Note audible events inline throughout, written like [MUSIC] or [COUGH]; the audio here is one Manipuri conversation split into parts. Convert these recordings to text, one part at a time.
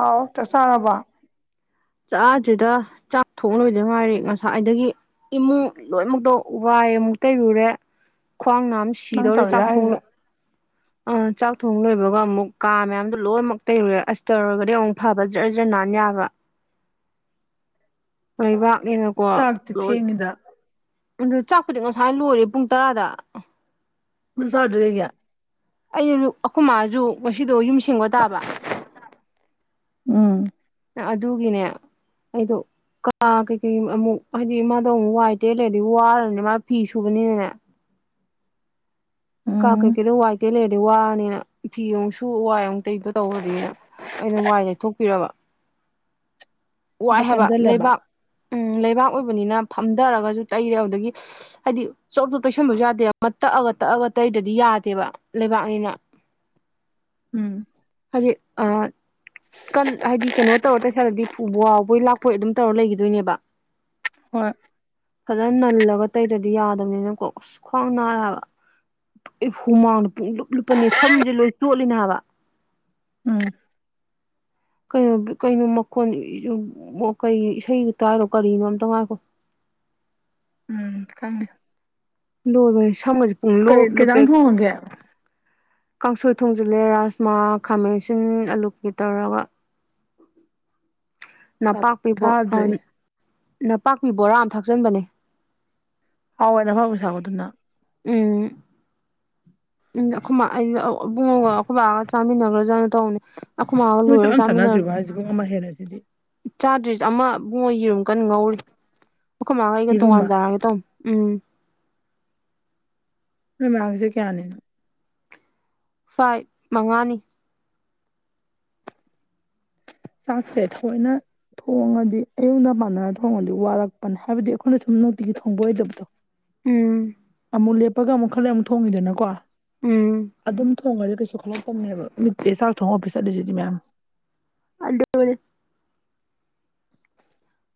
ꯑꯥꯎ ꯇꯦꯁꯥ ꯍꯕ ꯆꯥꯁꯤꯗ ꯆꯥꯛ ꯊꯣꯡꯂꯣꯏꯗ ꯉꯥꯏꯔꯦ ꯉꯁꯥꯏꯗꯒꯤ ꯏꯃꯨꯡ ꯂꯣꯏꯅꯃꯛꯇꯣ ꯋꯥꯏ ꯑꯃꯨꯛ ꯇꯩꯔꯨꯔꯦ ꯈ꯭ꯋꯥꯡ ꯅꯥꯝ ꯅꯪ ꯁꯤꯗꯧꯔꯦ ꯆꯥꯛ ꯇꯧꯔꯤꯔꯥ ꯍꯥꯏꯁꯦ ꯊꯣꯡꯅ ꯑ ꯆꯥꯛ ꯊꯣꯡ ꯂꯣꯏꯕꯒ ꯑꯃꯨꯛ ꯀꯥ ꯃꯌꯥꯝꯗꯣ ꯂꯣꯏꯅꯃꯛ ꯇꯩꯔꯨꯔꯦ ꯑꯁ ꯇꯧꯔꯨꯔꯒꯗꯤ ꯑꯃꯨꯛ ꯐꯕ ꯖꯔ ꯖꯔ ꯅꯥꯟ ꯌꯥꯕ ꯂꯩꯕꯥꯛꯅꯤꯅꯀꯣ ꯆꯥꯛꯇꯤ ꯂꯣꯏ ꯊꯦꯡꯉꯤꯗ ꯑꯗꯨ ꯆꯥꯛꯄꯨꯗꯤ ꯉꯁꯥꯏ ꯂꯣꯏꯔꯦ ꯄꯨꯡ ꯇꯔꯥꯗ ꯍ ꯁꯥꯗꯔ ꯑꯩ ꯑꯩꯈꯨꯝ ꯃꯥꯁꯨ ꯉꯁꯤꯗꯣ ꯌꯨꯝꯁꯤ ꯁꯦꯡꯒꯣ ꯇꯥꯕ ꯎꯝ ꯑꯗꯨꯒꯤꯅꯦ ꯑꯩꯗꯣ ꯀ ꯀꯩꯀꯩ ꯑꯃꯨꯛ ꯍꯥꯏꯗꯤ ꯃꯥꯗꯣ ꯑꯃꯨꯛ ꯋꯥꯏ ꯇꯦꯜꯂꯦꯗꯤ ꯋꯥꯔꯅꯤꯅ ꯃꯥ ꯐꯤ ꯁꯨꯕꯅꯤꯅꯅꯦ ꯀꯥ ꯎꯝ ꯀꯩꯀꯩꯗꯣ ꯋꯥꯏ ꯇꯩ ꯂꯩꯔꯗꯤ ꯋꯥꯔꯅꯤꯅ ꯏꯊꯤ ꯑꯃꯨꯛꯁꯨ ꯋꯥꯏ ꯑꯃꯨꯛ ꯇꯩꯗꯣ ꯇꯧꯔꯗꯤꯅ ꯑꯩꯅ ꯋꯥꯏ ꯂꯩꯩꯊꯣꯛꯄꯤꯔꯕ ꯋꯥꯏ ꯊꯕꯛ ꯍꯥꯏꯕ ꯀꯟꯖꯜꯂꯕ ꯂꯩꯕꯥꯛ ꯎꯝ ꯂꯩꯕꯥꯛ ꯑꯣꯏꯕꯅꯤꯅ ꯐꯝꯊꯔꯒꯁꯨ ꯇꯩꯔꯦ ꯑꯗꯨꯗꯒꯤ ꯍꯥꯏꯗꯤ ꯆꯣꯠ ꯆꯣꯠ ꯇꯩꯁꯟꯕꯁꯨ ꯌꯥꯗꯦꯕ ꯇꯛꯑꯒ ꯇꯛꯑꯒ ꯇꯩꯗꯗꯤ ꯌꯥꯗꯦꯕ ꯂꯩꯕꯥꯛꯅꯤꯅ ꯎꯝ ꯍꯥꯏ ꯑ ꯀꯟ ꯍꯥꯏꯗꯤ ꯀꯩꯅꯣ ꯇꯧꯔ ꯇꯧꯁꯥꯜꯂꯗꯤ ꯐꯨꯕ ꯋꯥꯕꯣꯏ ꯂꯥꯛꯄꯣꯏ ꯑꯗꯨꯝ ꯇꯧꯔ ꯂꯩꯈꯤꯗꯣꯏꯅꯦꯕ ꯍꯣꯏ ꯐꯖꯅ ꯅꯜꯂꯒ ꯇꯩꯔꯗꯤ ꯌꯥꯗꯕꯅꯤꯅꯀꯣ ꯑꯁ ꯈ꯭ꯋꯥꯡ ꯅꯥꯔꯦꯕ ꯑꯩ ꯍꯨꯃꯥꯎꯅ ꯄꯨꯡ ꯂꯨꯞ ꯂꯨꯞꯄꯅꯦ ꯁꯝꯁꯦ ꯂꯣꯏꯅ ꯇꯣꯠꯂꯤ ꯍꯥꯏꯕ ꯎꯝ ꯀꯩꯅꯣ ꯀꯩꯅꯣ ꯃꯈꯣꯟ ꯀꯩ ꯏꯁꯩ ꯇꯥꯏꯔꯣ ꯀꯔꯤꯅꯣ ꯑꯝꯇ ꯉꯥꯏꯈꯣ ꯎ ꯈꯪꯅꯤ ꯂꯣꯏꯕ ꯁꯝꯒꯁꯦ ꯄꯨꯡ ꯀꯩ ꯂꯣꯞ ꯀꯩꯖꯥꯡ ꯂꯨꯄꯦꯛ ꯊꯣꯡꯉꯒꯦ ꯀꯥꯡꯁꯣꯏ ꯊꯣꯡꯖꯤꯜꯂꯦ ꯔꯥꯥꯁꯃꯥ ꯈꯥꯃꯦꯟꯁꯤꯟ ꯑꯂꯨ ꯀꯀꯩ ꯇꯧꯔꯒ ꯆꯥꯛ ꯅꯄꯥꯛꯄꯤꯕꯣ ꯆꯥꯗ꯭ꯔꯤ ꯅꯄꯥꯛꯄꯤꯕꯣꯔꯥ ꯊꯛꯆꯟꯕꯅꯦ ꯍꯥꯎꯋꯦ ꯅ ꯐꯕꯨ ꯁꯥꯎꯕꯗꯨꯅ ꯎꯝ ꯎ ꯏꯕꯨꯡꯉꯒ ꯑꯩꯈꯣꯏꯕꯥꯒ ꯆꯥꯃꯤꯟꯅꯈ꯭ꯔꯥꯖꯥꯅ ꯇꯧꯅꯤ ꯑꯩꯈꯣꯏꯃꯒ ꯅꯣꯏ ꯆꯥꯛ ꯂꯣꯏꯔꯒ ꯑꯃ ꯆꯥꯃꯤꯟꯅꯔꯒꯦ ꯆꯥꯟꯅꯗ꯭ꯔꯤꯕ ꯍꯥꯏꯁꯤ ꯄꯨꯡ ꯑꯃ ꯍꯦꯜꯂꯦ ꯁꯤꯗꯤ ꯆꯥꯗ꯭ꯔꯤ ꯑꯃ ꯏꯕꯨꯡꯉꯣ ꯌꯦꯔꯨꯝ ꯀꯟꯅ ꯉꯧꯔꯤ ꯃꯈꯣꯏ ꯃꯥꯒ ꯑꯩꯒ ꯇꯣꯉꯥꯟ ꯌꯦꯔꯨꯝꯃ ꯆꯥꯔꯒꯦ ꯇꯧꯅꯤ ꯎꯝ ꯅꯣꯏ ꯃꯥꯥ ꯉꯁꯤ ꯀꯌꯥꯅꯤꯅ ꯐꯥꯏꯐ ꯃꯉꯥꯅꯤ ꯆꯥꯛꯁꯦ ꯊꯧꯑꯣꯏꯅ ꯊꯣꯡꯉꯗꯤ ꯑꯌꯨꯡ ꯅꯨꯡꯗꯥꯡ ꯃꯥꯟꯅꯔꯒ ꯊꯣꯡꯉꯗꯤ ꯋꯥꯔꯛꯄꯅꯦ ꯍꯥꯏꯕꯗꯤ ꯑꯩꯈꯣꯏꯅ ꯁꯨꯝ ꯅꯨꯡꯇꯤꯒꯤ ꯊꯣꯡꯕ ꯑꯣꯏꯗꯕꯗꯣ ꯎꯝ ꯃꯨ ꯂꯦꯞꯄꯒ ꯈꯜꯂ ꯑꯃꯨꯛ ꯊꯣꯡꯉꯤꯗꯅꯀꯣ ꯎꯝ ꯑꯗꯨꯝ ꯊꯣꯡꯉꯔꯗꯤ ꯀꯩꯁꯨ ꯈꯜꯂꯛꯇꯕꯅꯦꯕ ꯃꯤ ꯆꯥꯛ ꯊꯣꯡꯉ ꯑꯣꯐꯤꯁ ꯆꯠꯂꯤꯁꯤꯗꯤ ꯃꯌꯥꯝ ꯑꯗꯨꯅꯤ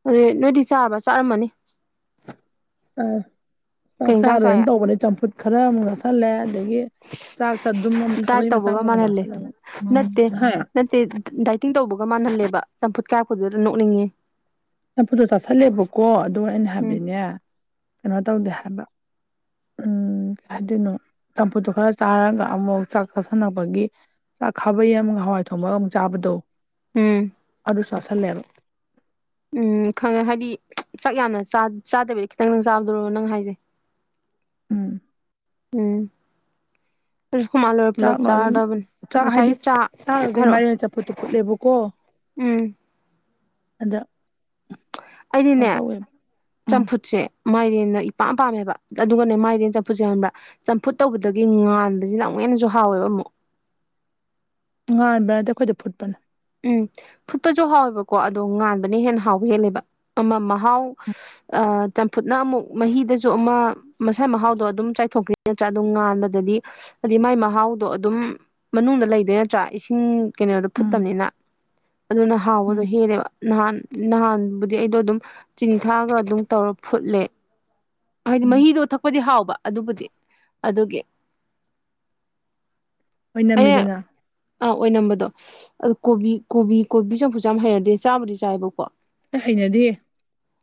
ꯑꯗꯨꯗꯤ ꯅꯣꯏꯗꯤ ꯆꯥꯕ꯭ꯔ ꯆꯥꯔꯝꯃꯅꯤ ꯆꯥꯛ ꯀꯩ ꯌꯦꯟꯁꯥꯡ ꯆꯥꯔꯣꯏꯅ ꯆꯥꯏ ꯇꯧꯕꯅꯦ ꯆꯝꯐꯨꯠ ꯈꯔ ꯑꯃꯨꯛ ꯆꯥꯥꯁꯜꯂꯦ ꯑꯗꯒꯤ ꯆꯥꯛ ꯆꯗꯨꯝ ꯑꯃꯥ ꯗꯥꯏꯠ ꯈꯥꯕꯩ ꯃꯆꯥ ꯇꯧꯕꯒ ꯑꯃꯒꯨꯝ ꯃꯥꯟꯍꯜꯂꯦ ꯆꯥꯁꯤꯂꯒ ꯅꯠꯇꯦ ꯍꯥ ꯅꯠꯇꯦ ꯗꯥꯏꯇꯤꯡ ꯇꯧꯕꯒ ꯃꯥꯟꯍꯜꯂꯦꯕ ꯆꯝꯐꯨꯠ ꯀꯥꯏꯔꯛꯄꯗꯨꯗ ꯅꯣꯛꯅꯤꯡꯉꯦ ꯆꯝꯐꯨꯠꯇꯣ ꯆꯥꯥꯁꯜꯂꯦꯕꯀꯣ ꯑꯗꯨꯒ ꯑꯩꯅ ꯎꯝ ꯍꯥꯏꯕꯗꯤꯅꯦ ꯀꯩꯅꯣ ꯇꯧꯗꯦ ꯍꯥꯏꯕ ꯎꯝ ꯀꯩ ꯍꯏꯗꯣꯏꯅꯣ ꯆꯝꯐꯨꯠꯇꯣ ꯈꯔ ꯆꯥꯔꯒ ꯑꯃꯨꯛ ꯆꯥꯛ ꯆꯥꯥꯁꯟꯅꯕꯒꯤ ꯆꯥꯛ ꯈꯥꯕꯩ ꯑꯃꯒ ꯍꯋꯥꯏ ꯊꯣꯡꯕꯒ ꯑꯃꯨꯛ ꯆꯥꯕꯗꯣ ꯎꯝ ꯑꯗꯨ ꯆꯥ ꯁꯜꯂꯦꯕ ꯎꯝ ꯈꯪꯉꯦ ꯍꯥꯏꯗꯤ ꯆꯥꯛ ꯌꯥꯝꯅ ꯆꯥꯗꯕꯤꯗꯤ ꯈꯤꯇꯪ ꯆꯥꯕꯗꯔꯣ ꯅꯪ ꯍꯥꯏꯁꯦ ꯎꯝ ꯎꯝ ꯈꯣꯢꯃꯥ ꯂꯣꯏꯔ ꯄꯨꯂꯞ ꯆꯥꯛꯅ ꯑꯗꯨꯝ ꯆꯥꯔꯗꯕꯅꯤ ꯉꯁꯥꯏꯁꯨ ꯆꯥ ꯍꯥꯏꯔꯛꯑꯣ ꯐꯨꯠꯇꯤ ꯐꯨꯠꯂꯦꯕꯀꯣ ꯎꯝ ꯑꯗ ꯀꯩꯅꯣ ꯑꯩꯗꯤꯅꯦ ꯇꯧꯋꯦꯕ ꯎꯝ ꯆꯝꯐꯨꯠꯁꯦ ꯃꯥꯏꯔꯦꯟꯅ ꯏꯄꯥꯝ ꯄꯥꯝꯃꯦꯕ ꯑꯗꯨꯒꯅꯦ ꯃꯥꯏꯔꯦꯟ ꯆꯠꯐꯨꯠꯁꯤ ꯈꯪꯕ꯭ꯔꯥ ꯆꯝꯐꯨꯠ ꯇꯧꯕꯗꯒꯤ ꯉꯥꯟꯕꯁꯤꯅ ꯑꯃꯨꯛ ꯍꯦꯟꯅꯁꯨ ꯍꯥꯎꯋꯦꯕ ꯑꯃꯨꯛ ꯉꯥꯟꯕ ꯅꯠꯇꯦ ꯑꯩꯈꯣꯏꯗꯤ ꯐꯨꯠꯄꯅꯤ ꯎꯝ ꯐꯨꯠꯄꯁꯨ ꯍꯥꯎꯋꯦꯕꯀꯣ ꯑꯗꯣ ꯉꯥꯟꯕꯅ ꯍꯦꯟꯅ ꯍꯥꯎꯕ ꯍꯦꯜꯂꯦꯕ ꯑꯃ ꯃꯍꯥꯎ ꯑꯥ ꯆꯝꯐꯨꯠꯅ ꯑꯃꯨꯛ ꯃꯍꯤꯗꯁꯨ ꯑꯃ ꯃꯁꯥꯏ ꯃꯍꯥꯎꯗꯣ ꯑꯗꯨꯝ ꯆꯥꯏꯊꯣꯛꯈ꯭ꯔꯤ ꯅꯠꯇ꯭ꯔꯥ ꯑꯗꯨꯝ ꯉꯥꯟꯕꯗꯗꯤ ꯍꯥꯏꯗꯤ ꯃꯥꯏ ꯃꯍꯥꯎꯗꯣ ꯑꯗꯨꯝ ꯃꯅꯨꯡꯗ ꯂꯩꯗꯣꯏ ꯅꯠꯇ꯭ꯔꯥ ꯏꯁꯤꯡ ꯀꯩꯅꯣꯗ ꯐꯨꯠ ꯎꯝ ꯇꯝꯅꯤꯅ ꯑꯗꯨꯅ ꯍꯥꯎꯕꯗꯣ ꯎꯝ ꯍꯦꯜꯂꯦꯕ ꯅꯍꯥꯟ ꯅꯍꯥꯟꯕꯨꯗꯤ ꯑꯩꯗꯣ ꯑꯗꯨꯝ ꯆꯤꯅꯤ ꯊꯥꯛꯑꯒ ꯑꯗꯨꯝ ꯇꯧꯔ ꯐꯨꯠꯂꯦ ꯍꯥꯏꯗꯤ ꯎꯝ ꯃꯍꯤꯗꯣ ꯊꯛꯄꯗꯤ ꯍꯥꯎꯕ ꯑꯗꯨꯕꯨꯗꯤ ꯑꯗꯨꯒꯤ ꯑꯣꯏꯅꯝꯃꯤꯗꯅ ꯑꯥ ꯑꯣꯏꯅꯝꯕꯗꯣ ꯑꯗꯨ ꯀꯣꯕꯤ ꯀꯣꯕꯤ ꯀꯣꯕꯤ ꯆꯝꯐꯨꯠꯁꯦ ꯌꯥꯝ ꯍꯩꯅꯗꯦ ꯆꯥꯕꯨꯗꯤ ꯆꯥꯏꯌꯦꯕꯀꯣ ꯍꯩꯅꯗꯦꯍꯦ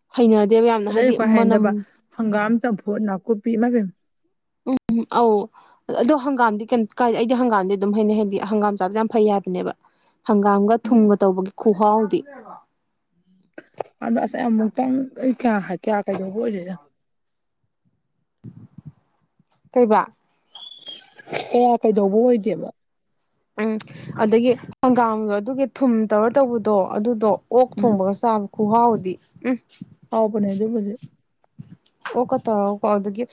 ꯍꯩꯅꯗꯦꯕ ꯌꯥꯝ ꯑꯗ ꯑꯩꯅ ꯈ꯭ꯋꯥꯢ ꯍꯩꯅꯗꯕ ꯍꯪꯒꯥꯝ ꯆꯝꯐꯨꯠ ꯅꯥꯀꯨꯄꯤ ꯑꯃ ꯎꯝ ꯑꯧ ꯑꯗꯣ ꯍꯪꯒꯥꯝꯗꯤ ꯀꯩꯝ ꯀꯥꯏ ꯑꯩꯗꯤ ꯍꯪꯒꯥꯝꯗꯤ ꯑꯗꯨꯝ ꯍꯩꯅꯩ ꯍꯥꯏꯗꯤ ꯍꯪꯒꯥꯝ ꯆꯥꯕꯁꯦ ꯌꯥꯝ ꯐꯩ ꯍꯥꯏꯕꯅꯦꯕ ꯍꯪꯒꯥꯝꯒ ꯎꯝ ꯊꯨꯝꯒ ꯇꯧꯕꯒꯤ ꯈꯨꯍꯥꯎꯗꯤ ꯑꯗꯣ ꯑꯁ ꯑꯩ ꯑꯃꯨꯛꯇꯪ ꯑꯩ ꯀꯌꯥ ꯀꯌꯥ ꯀꯩꯗꯧꯕ ꯑꯣꯏꯗꯦꯗ ꯀꯩꯕꯥ ꯀꯌꯥ ꯀꯩꯗꯧꯕ ꯑꯣꯏꯗꯦꯕ ꯎꯝ ꯑꯗꯒꯤ ꯍꯪꯒꯥꯝꯗ ꯑꯗꯨꯒꯤ ꯊꯨꯝ ꯇꯧꯔ ꯇꯧꯕꯗꯣ ꯑꯗꯨꯗꯣ ꯑꯣꯛ ꯎꯝ ꯊꯣꯡꯕꯒ ꯆꯥꯕ ꯈꯨꯨꯍꯥꯎꯗꯤ ꯎꯝ ꯍꯥꯎꯕꯅꯦ ꯑꯗꯨ ꯍꯧꯖꯤꯛ ꯑꯣꯀ ꯇꯧꯔꯛꯑꯣꯀꯣ ꯑꯗꯨꯗꯒꯤ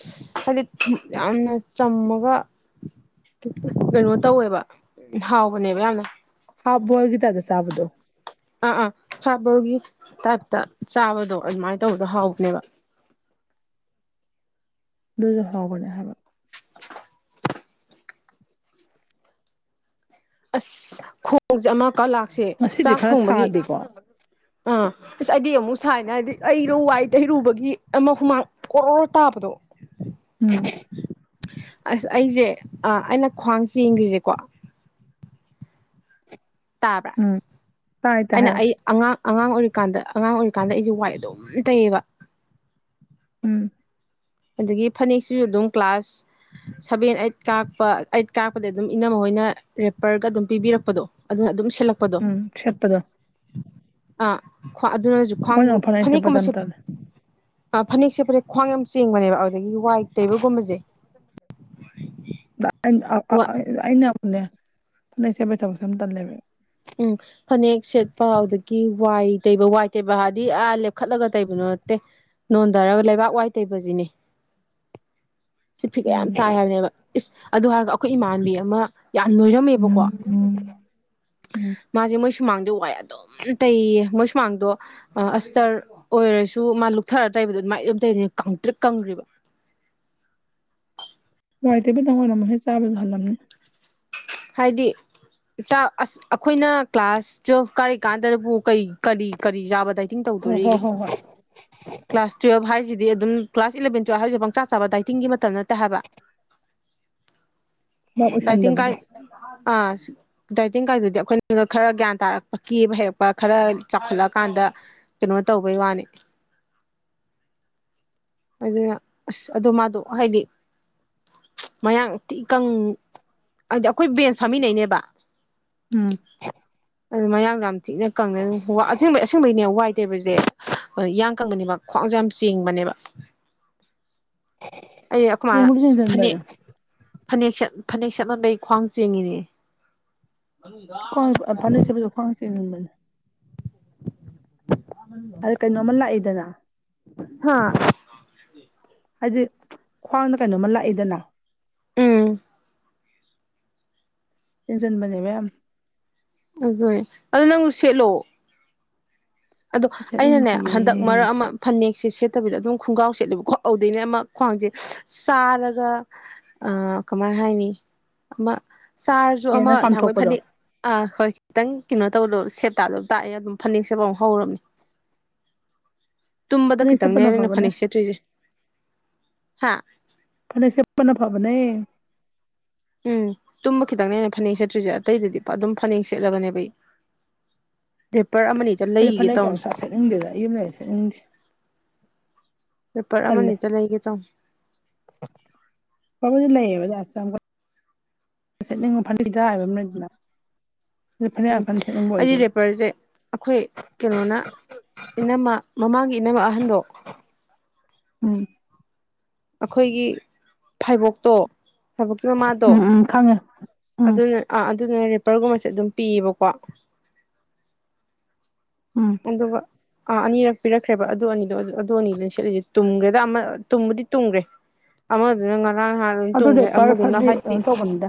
ꯍꯥꯏꯗꯤ ꯌꯥꯝꯅ ꯆꯝꯃꯒ ꯀꯩꯅꯣ ꯇꯧꯋꯦꯕ ꯍꯥꯎꯕꯅꯦꯕ ꯌꯥꯝꯅ ꯍꯥꯥꯎꯐꯕꯣꯜꯒꯤꯗꯑꯒ ꯁꯥꯕꯗꯨ ꯑꯥ ꯑꯥ ꯍꯥꯞꯕꯒꯤ ꯇꯥꯏꯞꯇ ꯆꯥꯕꯗꯣ ꯑꯗꯨꯃꯥꯏꯅ ꯇꯧꯕꯗ ꯍꯥꯎꯕꯅꯦꯕ ꯑꯗꯨꯁꯨ ꯍꯥꯎꯕꯅꯦ ꯍꯥꯏꯕ [INAUDIBLE] ꯑꯁ ꯈꯣꯡꯁꯦ ꯑꯃꯠꯇ ꯂꯥꯛꯁꯦ ꯉꯁꯤꯗꯤ ꯆꯥꯛ ꯈꯔ ꯊꯣꯡꯕꯒꯤ [INAUDIBLE] ꯀꯣ ꯑꯩꯗꯤ ꯑꯃꯨꯛ ꯁꯥꯏꯅ ꯍꯥꯏꯗꯤ ꯑꯩ ꯂꯧ ꯂꯥꯛꯏ ꯀꯩꯗꯧꯕꯒꯤ ꯑꯩꯅ ꯍꯨꯃꯥꯡ ꯑꯣꯔꯣ ꯇꯥꯕꯗꯣ ꯎꯝ ꯑꯁ ꯑꯩꯁꯦ ꯑꯩꯅ ꯈ꯭ꯋꯥꯡ ꯆꯦꯟꯈ꯭ꯔꯤꯁꯤꯀꯣ ꯇꯥꯕ꯭ꯔꯥ ꯎꯝ ꯇꯥꯏ ꯇꯥꯏ ꯑꯩꯅ ꯍꯥꯏꯔꯣ ꯑꯩ ꯑꯉꯥꯡ ꯑꯉꯥꯡ ꯑꯣꯏꯔꯤꯀꯥꯟꯗ ꯑꯉꯥꯡ ꯑꯣꯏꯔꯤꯀꯥꯟꯗ ꯑꯩꯁꯦ ꯋꯥꯏ ꯑꯗꯨꯝ ꯇꯩꯌꯦꯕ ꯎꯝ ꯑꯗꯒꯤ ꯐꯅꯦꯛꯁꯤꯁꯨ ꯑꯗꯨꯝ ꯀ꯭ꯂꯥꯁ ꯁꯚꯦꯟ ꯑꯩꯠ ꯀꯥꯔꯛꯄ ꯑꯩꯠ ꯀꯥꯔꯛꯄꯗꯩꯩ ꯑꯗꯨꯝ ꯏꯅꯝꯃ ꯍꯣꯏꯅ ꯔꯦꯄꯔꯒ ꯑꯗꯨꯝ ꯄꯤꯕꯤꯔꯛꯄꯗꯣ ꯑꯗꯨꯅ ꯑꯗꯨꯝ ꯁꯦꯠꯂꯛꯄꯗꯣ ꯎꯝ ꯁꯦꯠꯄꯗꯣ ꯑꯥ ꯈꯋ꯭ꯥ ꯑꯗꯨꯅꯁꯨ ꯈ꯭ꯋꯥꯡ ꯑꯩꯈꯣꯏꯅ ꯑꯃꯨꯛ ꯐꯅꯦꯛ ꯁꯦꯠꯄꯁꯦ ꯐꯅꯦꯛꯀꯨꯝꯕ ꯌꯥꯝ ꯁꯦꯠ ꯇꯜꯂꯦ ꯑ ꯐꯅꯦꯛ ꯁꯦꯠꯄꯁꯦ ꯈ꯭ꯋꯥꯡ ꯌꯥꯝ ꯆꯤꯡꯕꯅꯦꯕ ꯑꯗꯗꯒꯤ ꯋꯥꯏ ꯇꯩꯕꯒꯨꯝꯕꯁꯦ ꯑꯩꯅ ꯑꯑ ꯋꯥ ꯑꯩꯅ ꯑꯃꯨꯛꯅꯦ ꯐꯅꯦꯛꯁꯦꯠꯄꯩ ꯊꯕꯛꯁꯦ ꯌꯥꯝ ꯇꯜ ꯂꯦꯕ ꯎꯝ ꯐꯅꯦꯛ ꯁꯦꯠꯄ ꯑꯗꯗꯒꯤ ꯋꯥꯏ ꯇꯩꯕ ꯋꯥꯏ ꯇꯩꯕ ꯍꯥꯏꯗꯤ ꯑꯥ ꯂꯦꯞꯈꯠꯂꯒ ꯇꯩꯕꯗꯣ ꯅꯠꯇꯦ ꯅꯣꯟꯗꯔꯒ ꯂꯩꯕꯥꯛ ꯋꯥꯏ ꯇꯩꯕꯁꯤꯅꯤ ꯁꯤ ꯐꯤꯒꯔ ꯎꯝ ꯌꯥꯝ ꯇꯥꯏ ꯍꯥꯏꯕꯅꯦꯕ ꯏꯁ ꯑꯗꯨ ꯍꯥꯏꯔꯒ ꯑꯩꯈꯣꯏ ꯏꯃꯥꯟꯕꯤ ꯑꯃ ꯌꯥꯝ ꯅꯣꯏꯔꯝꯃꯦꯕꯀꯣ ꯎꯝ ꯃꯥꯁꯦ ꯃꯣꯏ ꯁꯨꯃꯥꯡꯗꯣ ꯋꯥꯏ ꯑꯗꯨꯝ ꯇꯩꯌꯦꯌꯦ ꯃꯣꯏ ꯁꯨꯃꯥꯡꯗꯣ ꯑꯁꯇꯔ ꯑꯣꯏꯔꯁꯨ ꯃꯥ ꯂꯨꯛꯊꯔ ꯇꯩꯕꯗꯣ ꯑꯗꯨꯃꯥꯏ ꯑꯗꯨꯝ ꯇꯩꯗꯣꯏ ꯀꯪꯇꯔ꯭ꯤꯛ ꯀꯪꯒꯔ꯭ꯤꯕ ꯋꯥꯏ ꯇꯩꯕꯅ ꯑꯣꯏꯔꯝꯃꯣꯏ ꯍꯦ ꯆꯥꯕꯁꯨ ꯍꯜꯂꯝꯅꯤ ꯍꯥꯏꯗꯤ ꯆꯥꯛ ꯑꯁ ꯑꯈꯣꯏꯅ ꯀ꯭ꯂꯥꯁ ꯇꯨꯋꯦꯜꯐ ꯀꯥꯔꯤꯀꯥꯟꯗꯕꯨ ꯀꯩ ꯀꯔꯤ ꯀꯔꯤ ꯆꯥꯕꯗꯩꯩ ꯇꯤꯡ ꯍꯣ ꯍꯣ ꯇꯧꯗꯣꯔꯤꯌꯦ ꯍꯣꯏ ꯍꯣꯏ ꯀ꯭ꯂꯥꯁ ꯇꯨꯋꯦꯜꯞ ꯍꯥꯏꯁꯤꯗꯤ ꯑꯗꯨꯝ ꯀ꯭ꯂꯥꯁ ꯏꯂꯦꯚꯦꯟ ꯇꯨꯋꯦꯜꯞ ꯍꯥꯏꯔꯤꯁꯦ ꯄꯪꯆꯥ ꯆꯥꯕ ꯗꯥꯏꯇꯤꯡꯒꯤ ꯃꯇꯝ ꯅꯠꯇꯦ ꯍꯥꯏꯕ ꯚꯥꯞ ꯗꯥꯏꯇꯤꯡ ꯀꯥꯏ ꯑꯣꯏꯁꯟꯗꯕꯗꯣ ꯑꯥ ꯗꯥꯇꯤꯡ ꯀꯥꯏꯗꯨꯗꯤ ꯑꯩꯈꯣꯏꯅ ꯈꯔ ꯒ꯭ꯌꯥꯟ ꯇꯥꯔꯛꯄ ꯀꯦꯕ ꯍꯩꯔꯛꯄ ꯈꯔ ꯆꯥꯎꯈꯠꯂꯛꯑꯀꯥꯟꯗ ꯀꯩꯅꯣ ꯇꯧꯕꯩ ꯋꯥꯅꯤ ꯑꯗꯨꯅ ꯑꯁ ꯑꯗꯣ ꯃꯥꯗꯣ ꯍꯥꯏꯗꯤ ꯃꯌꯥꯤ ꯏꯀꯪ ꯍꯥꯏꯗꯤ ꯑꯩꯈꯣꯏ ꯕꯦꯟꯁ ꯐꯝꯃꯤꯟꯅꯩꯅꯦꯕ ꯎꯝ [INAUDIBLE] ꯑꯗꯨ ꯃꯌꯥꯡꯗ ꯌꯥꯝ ꯊꯤꯛꯅ ꯀꯪꯉꯦ ꯑꯁꯕꯩ ꯑꯁꯦꯡꯕꯩꯅꯦ ꯋꯥꯏ ꯇꯦꯕꯁꯦꯣꯏ ꯏꯌꯥꯡ ꯀꯪꯕꯅꯤꯃꯛ ꯈ꯭ꯋꯥꯡꯁꯦ ꯌꯥꯝ ꯆꯦꯡꯕꯅꯦꯕ ꯑꯩ ꯑꯩꯈꯣꯏ ꯃꯥꯅ ꯆꯃꯨ ꯆꯦꯟꯔꯦ ꯐꯅꯦꯛ ꯐꯅꯦꯛ ꯁꯠ ꯐꯅꯦꯛ ꯁꯠꯂꯝꯝꯕꯩ ꯈ꯭ꯋꯥꯡ ꯆꯦꯡꯉꯅꯦ ꯈꯋ꯭ꯥꯡ ꯐꯅꯦꯛ ꯁꯦꯠꯄꯁꯦ ꯈꯋ꯭ꯥꯡ ꯆꯤꯟꯕꯅꯤ ꯑꯗ ꯀꯩꯅꯣꯝꯃ ꯂꯥꯛꯏꯗꯅ ꯍꯥ ꯍꯥꯏꯗꯤ ꯈ꯭ꯋꯥꯡꯗ ꯀꯩꯅꯣꯝꯃ ꯂꯥꯛꯏꯗꯅ ꯎꯝ ꯍꯦꯟꯖꯤꯟꯕꯅꯦꯕ ꯌꯥꯝ ꯑꯗꯨꯅꯦ ꯑꯗꯨ ꯅꯪ ꯁꯦꯠꯂꯣ ꯑꯗꯣ ꯑꯩꯅꯅꯦ ꯍꯟꯗꯛ ꯁꯦꯠꯅꯤꯡꯗꯤꯌꯦ ꯃꯔꯛ ꯑꯃ ꯐꯅꯦꯛꯁꯦ ꯁꯦꯠꯇꯕꯤꯗ ꯑꯗꯨꯝ ꯈꯨꯡꯒꯥꯎ ꯁꯦꯠꯂꯦꯕꯀꯣ ꯑꯗꯧꯗꯩꯅꯦ ꯑꯃ ꯈ꯭ꯋꯥꯡꯖꯦ ꯆꯥꯔꯒ ꯑꯥ ꯀꯃꯥꯏ ꯍꯥꯏꯅꯤ ꯑꯃ ꯆꯥꯔꯁꯨ ꯑꯃ ꯍꯦꯟꯅ ꯅꯍꯟꯈꯩ ꯀꯥꯝꯊꯣꯛꯄꯗꯣ ꯐꯅꯦꯛ ꯑꯥ ꯍꯣꯏ ꯈꯤꯇꯪ ꯀꯩꯅꯣ ꯇꯧꯗꯣ ꯁꯦꯞ ꯇꯥꯗꯕ ꯇꯥꯛꯑꯦ ꯑꯗꯨꯝ ꯐꯅꯦꯛꯁꯦꯠꯄ ꯍꯧꯔꯕꯅꯤ ꯇꯨꯝꯕꯗ ꯐꯅꯦꯛ ꯁꯦꯠꯄꯅ ꯈꯤꯇꯪꯅꯦꯃꯤ ꯑꯩꯅ ꯐꯕꯅꯦ ꯐꯅꯦꯛ ꯁꯦꯠꯇ꯭ꯔꯤꯁꯦ ꯍꯥꯥ ꯐꯅꯦꯛ ꯁꯦꯠꯄꯅ ꯐꯕꯅꯦ ꯎꯝ ꯇꯨꯝꯕ ꯈꯤꯇꯪꯅꯦ ꯑꯩꯅ ꯐꯅꯦꯛ ꯁꯦꯠꯇ꯭ꯔꯤꯖꯦ ꯑꯇꯩꯗꯗꯤ ꯑꯗꯨꯝ ꯐꯅꯦꯛ ꯁꯦꯠꯂꯕꯅꯦꯕ ꯑꯩ ꯔꯦꯄꯔ ꯑꯃꯅꯤ ꯑꯩꯗꯤ ꯐꯅꯦꯛ [UNINTELLIGIBLE] ꯁꯦꯠꯅꯤꯡꯗꯦꯗ ꯑꯩ ꯌꯨꯝ ꯂꯩ ꯁꯦꯠꯅꯤꯡꯗꯦ ꯔꯦꯄꯔ ꯇꯜꯂꯦ ꯑꯃꯅꯤꯇꯥ ꯂꯩꯒꯦ ꯇꯧꯅꯤ [UNINTELLIGIBLE] ꯁꯦꯠꯅꯤꯡꯕ ꯐꯅꯦꯛꯗꯥ ꯍꯥꯏꯕ ꯑꯃ ꯂꯩꯗꯅ ꯑꯗꯨ ꯐꯅꯦꯛ ꯌꯥꯝ ꯎꯝ ꯀꯟꯅ ꯁꯦꯠꯅꯤꯡꯕ ꯑꯩꯗꯤ ꯑꯣꯏꯗꯦꯕ ꯔꯦꯄꯔꯖꯦ ꯑꯩꯈꯣꯏ ꯀꯩꯅꯣꯅ ꯏꯅꯝꯃ ꯃꯃꯥꯡꯒꯤ ꯏꯅꯃ ꯑꯍꯟꯗꯣ ꯎꯝ ꯑꯩꯈꯣꯏꯒꯤ ꯐꯥꯏꯕꯣꯛꯇꯣ ꯐꯩꯕꯣꯛꯀꯤ ꯃꯃꯥꯗꯣ ꯎꯝ ꯎꯝ ꯈꯪꯉꯦ ꯎꯝ ꯑꯗꯨꯅ ꯑꯥ ꯑꯗꯨꯗꯨꯅ ꯔꯦꯄꯔꯒꯨꯝꯕꯁꯦ ꯑꯗꯨꯝ ꯄꯤꯌꯦꯕꯀꯣ ꯎꯝ ꯑꯗꯨꯒ ꯑꯥ ꯑꯅꯤꯔꯛ ꯄꯤꯔꯛꯈ꯭ꯔꯦꯕ ꯑꯗꯨ ꯑꯅꯤꯗꯣ ꯑꯗꯨ ꯑꯅꯤꯗꯨꯅ ꯁꯦꯠꯂꯤꯁꯦ ꯇꯨꯝꯒ꯭ꯔꯦꯗ ꯑꯃ ꯇꯨꯝꯕꯨꯗꯤ ꯇꯨꯝꯒ꯭ꯔꯦ ꯑꯃꯗꯨꯅ ꯉꯔꯥꯡ ꯉꯥꯟ ꯑꯗꯨ ꯔꯦꯄꯔ ꯐꯔꯗꯤ ꯀꯩꯅꯣ ꯇꯧꯕꯅꯤꯗ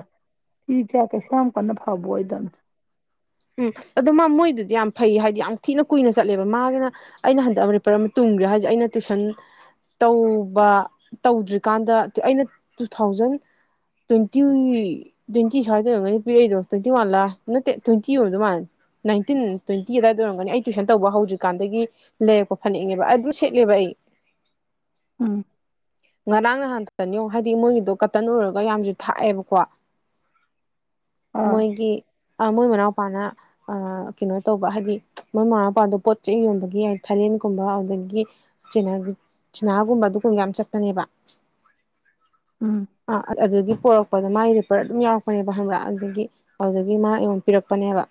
ꯏ ꯆꯥꯛ ꯀꯩꯁꯨ ꯌꯥꯝ ꯀꯟꯅ ꯐꯕ ꯑꯣꯏꯗꯕꯅꯤ ꯎꯝ ꯑꯗꯣ ꯃꯥ ꯃꯣꯏꯗꯨꯗꯤ ꯌꯥꯝ ꯐꯩ ꯍꯥꯏꯗꯤ ꯌꯥꯝ ꯊꯤꯅ ꯀꯨꯏꯅ ꯆꯠꯂꯦꯕ ꯃꯥꯒꯤꯅ ꯑꯩꯅ ꯍꯟꯗꯛ ꯑꯃ ꯔꯤꯄꯔ ꯑꯃ ꯇꯨꯝꯒ꯭ꯔꯦ ꯍꯥꯏꯖꯦ ꯑꯩꯅ ꯇꯨꯏꯁꯟ ꯇꯧꯕ ꯇꯧꯗ꯭ꯔꯤꯀꯥꯟꯗ ꯑꯩꯅ ꯇꯨ ꯊꯥꯎꯖꯟ ꯇ꯭ꯋꯦꯟꯇꯤ ꯇ꯭ꯋꯦꯟꯇꯤ ꯁ꯭ꯋꯥꯏꯗꯩ ꯑꯣꯏꯔꯝꯒꯅꯤ ꯄꯤꯔꯛꯏꯗꯣ ꯇ꯭ꯋꯦꯟꯇꯤ ꯋꯥꯟ ꯂꯥ ꯅꯠꯇꯦ ꯇ꯭ꯋꯦꯟꯇꯤ ꯑꯣꯏꯝꯗꯧ ꯃꯥꯜꯜꯂꯤ ꯅꯥꯏꯟꯇꯤꯟ ꯇ꯭ꯋꯦꯟꯇꯤ ꯑꯗꯨꯗꯥꯏꯗ ꯑꯣꯏꯔꯝꯒꯅꯤ ꯑꯩ ꯇ꯭ꯋꯁꯟ ꯇꯧꯕ ꯍꯧꯗꯔꯤꯀꯥꯟꯗꯒꯤ ꯂꯩꯔꯛꯄ ꯐꯅꯦꯛꯅꯦꯕ ꯑꯗꯨꯝ ꯁꯦꯠꯂꯦꯕ ꯑꯩ ꯎꯝ ꯉꯔꯥꯡ ꯉꯍꯟꯊꯅꯤ ꯌꯦꯡꯉꯣ ꯍꯥꯏꯗꯤ ꯃꯣꯏꯒꯤꯗꯣ ꯀꯇꯟ ꯑꯣꯏꯔꯒ ꯌꯥꯝꯅꯖꯨ ꯊꯥꯏꯑꯕꯀꯣ ꯑꯥ ꯃꯣꯏꯒꯤ ꯃꯣꯏ ꯃꯅꯥꯎꯄꯥꯅ ꯑꯥ ꯀꯩꯅꯣ ꯇꯧꯕ ꯍꯥꯏꯗꯤ ꯃꯣꯏ ꯃꯃꯥ ꯃꯄꯥꯗꯣ ꯄꯣꯠ ꯆꯩ ꯌꯣꯟꯕꯒꯤ ꯊꯥꯂꯦꯟꯒꯨꯝꯕ ꯑꯗꯨꯗꯒꯤ ꯆꯤꯅ ꯆꯤꯅꯥꯒꯨꯝꯕ ꯑꯗꯨꯒꯨꯝꯕ ꯌꯥꯝ ꯆꯠꯄꯅꯦꯕ ꯎꯝ ꯑꯥ ꯑꯗꯨꯗꯒꯤ ꯄꯣꯔꯛꯄꯗ ꯃꯥꯒꯤ ꯔꯤꯄꯔ ꯑꯗꯨꯝ ꯌꯥꯎꯔꯛꯄꯅꯦꯕ ꯈꯪꯕ꯭ꯔꯥ ꯑꯗꯨꯗꯒꯤ ꯑꯗꯨꯗꯒꯤ ꯃꯥ ꯑꯩꯉꯣꯟ ꯄꯤꯔꯛꯄꯅꯦꯕ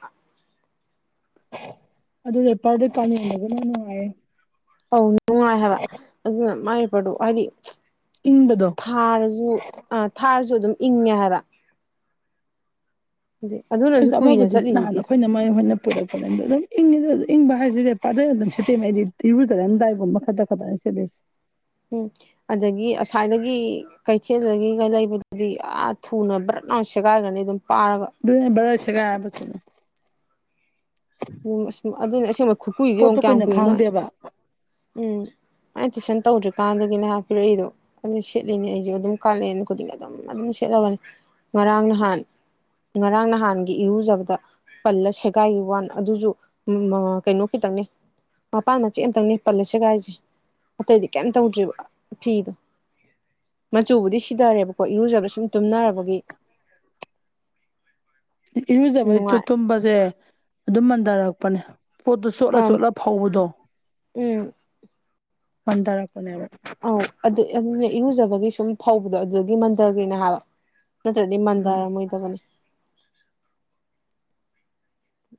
ꯑꯗꯨ ꯔꯦꯄꯔꯗꯣ ꯀꯥꯂꯦꯟꯗꯥꯗꯤ ꯌꯥꯝ ꯅꯨꯡꯉꯥꯏꯔꯦ ꯑꯧ ꯅꯨꯡꯉꯥꯏ ꯍꯥꯏꯕ ꯑꯗꯨꯅ ꯃꯥꯏ ꯔꯦꯄꯔꯗꯣ ꯍꯥꯏꯗꯤ ꯏꯪꯕꯗꯣ ꯊꯥꯔꯖꯨ ꯑ ꯊꯥꯔꯖꯨ ꯑꯗꯨꯝ ꯏꯪꯉꯦ ꯍꯥꯏꯕ ꯑꯗꯨ ꯑꯗꯨꯅꯁꯨ ꯑꯩꯖꯨ ꯀꯨꯏꯅ ꯑꯃꯕꯨꯗꯤ ꯅꯍꯥꯟ ꯆꯠꯂꯤꯁꯤꯗꯤ ꯑꯩꯈꯣꯏꯅ ꯃꯥꯏ ꯍꯣꯏꯅ ꯄꯨꯔꯛꯄꯗ ꯑꯗꯨꯝ ꯏꯪꯉꯤꯗ ꯑꯗꯨ ꯏꯪꯕ ꯍꯥꯏꯁꯤꯗꯤ ꯔꯦꯄꯥꯗꯔ ꯑꯗꯨꯝ ꯁꯤꯠꯇꯦꯝꯃꯦ ꯑꯩꯗꯤ ꯏꯔꯨꯖꯔꯝꯗꯥꯏꯒꯨꯝꯕ ꯈꯛꯇꯥ [UNINTELLIGIBLE] ꯎꯝ ꯑꯗꯒꯤ ꯑꯁ꯭ꯋꯥꯥꯏꯗꯒꯤ ꯀꯩꯊꯦꯜꯗꯒꯤꯒ ꯂꯩꯕꯗꯨꯗꯤ ꯑꯥ ꯊꯨꯅ ꯕ꯭ꯔꯠꯅ ꯁꯦꯒꯥꯏꯒꯅꯤ ꯑꯗꯨꯝ ꯄꯥꯔꯒ ꯑꯗꯨꯅ ꯕꯔꯅ ꯁꯦꯒꯥꯏꯕ ꯎꯝ ꯑꯁ ꯑꯗꯨꯅꯤ ꯑꯁꯦꯡꯕ ꯈꯨꯀꯨꯏꯗꯤ ꯌꯦꯡꯉꯨ ꯀꯌꯥꯝ ꯀꯨꯏꯅ ꯀꯨꯏꯅꯣ ꯈꯥꯡꯗꯦꯕ ꯎꯝ ꯑꯩꯅ ꯇꯨꯏꯁꯟ ꯇꯧꯗ꯭ꯔꯤꯀꯥꯟꯗꯒꯤꯅꯦ ꯍꯥꯏꯕ ꯄꯤꯔꯛꯏꯗꯣ ꯑꯗꯨ ꯁꯦꯠꯂꯤꯅꯦ ꯑꯩꯖꯨ ꯑꯗꯨꯝ ꯀꯥꯂꯦꯟ ꯈꯨꯗꯤꯡ ꯑꯗꯨꯝ ꯑꯗꯨꯝ ꯁꯦꯠꯂꯕꯅꯤ ꯉꯔꯥꯡ ꯅꯍꯥꯟ ꯉꯔꯥꯡ ꯅꯍꯥꯟꯒꯤ ꯏꯔꯨꯖꯕꯗ ꯄꯜꯂ ꯁꯦꯒꯥꯏꯒꯤ ꯋꯥꯟ ꯑꯗꯨꯁꯨ ꯀꯩꯅꯣ ꯈꯤꯇꯪꯅꯦ ꯃꯄꯥꯟ ꯃꯆꯦꯠ ꯑꯃꯇꯪꯅꯦ ꯄꯜꯜꯂꯤꯦ ꯁꯦꯒꯥꯏꯁꯦ ꯑꯇꯩꯗꯤ ꯀꯩꯝ ꯇꯧꯗ꯭ꯔꯤꯕ ꯐꯤꯗꯣ ꯃꯆꯨꯕꯨꯗꯤ ꯁꯤꯊꯔꯦꯕ ꯍꯈꯣꯏ ꯏꯔꯨꯖꯕꯒ ꯁꯨꯝ ꯇꯨꯝꯅꯔꯕꯒꯤ ꯏꯔꯨꯖꯕꯩ ꯅꯨꯡꯉꯥꯏ ꯇꯨꯝꯕꯁꯦ ꯑꯗꯨꯝ ꯃꯟꯊꯔꯛꯄꯅꯦ ꯄꯣꯠꯇꯨ ꯆꯣꯠꯂ ꯑꯝ ꯆꯣꯠꯂ ꯐꯧꯕꯗꯣ ꯎꯝ ꯍꯟꯊꯔꯛꯄꯅꯦꯕ ꯑꯧ ꯑꯗꯨ ꯑꯗꯨ ꯏꯔꯨꯖꯕꯒꯤ ꯁꯨꯝ ꯐꯧꯕꯗꯣ ꯑꯗꯨꯒꯤ ꯃꯟꯊꯈꯔꯤꯅ ꯍꯥꯏꯕ ꯅꯠꯇ꯭ꯔꯗꯤ ꯃꯟꯗ ꯑꯔꯝ ꯑꯣꯏꯗꯕꯅꯤ